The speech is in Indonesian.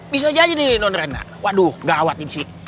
bisa aja nih nondrena waduh ga awatin sih